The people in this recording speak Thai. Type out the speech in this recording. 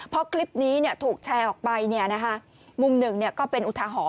พอคลิปนี้ถูกแชร์ออกไปมุมหนึ่งก็เป็นอุทาหรณ